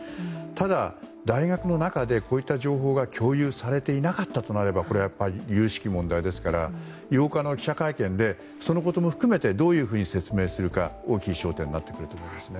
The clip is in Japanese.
ただ大学の中でこういった情報が共有されていなかったとなればこれは由々しき問題ですから８日の記者会見でそのことも含めてどう説明するかが大きい焦点になってくると思いますね。